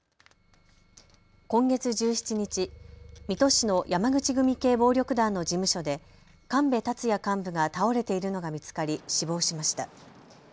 今月１７日、水戸市の山口組系暴力団の事務所で神部達也幹部が倒れているのが見つかり死亡しました。